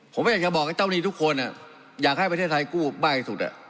ผมไม่อยากจะบอกไอ้เจ้าหนี้ทุกคนอยากให้ประเทศไทยกู้มากที่สุด